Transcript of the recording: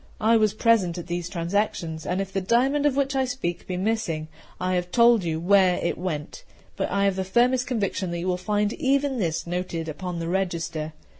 I was present at these transactions: and if the diamond of which I speak be missing, I have told you where it went; but I have the firmest conviction that you will find even this noted upon the register.